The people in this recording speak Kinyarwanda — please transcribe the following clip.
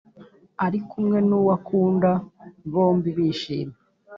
ari kumwe n’uwakunda bombi bishimye